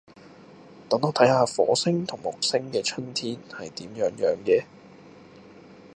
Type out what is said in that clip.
等我睇吓火星同木星嘅春天係點樣樣嘅